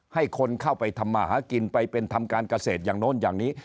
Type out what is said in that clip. ให้คนเข้าไปทำมาหากินไปเป็นทำการเกษตรอย่างโน้นอย่างนี้